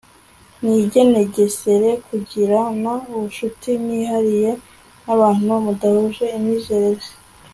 mwigenegesere kugirana ubucuti bwihariye n'abantu mudahuje imyizerere